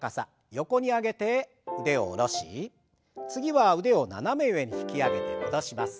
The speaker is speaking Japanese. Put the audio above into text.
横に上げて腕を下ろし次は腕を斜め上に引き上げて戻します。